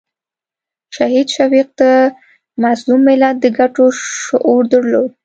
شهید شفیق د مظلوم ملت د ګټو شعور درلود.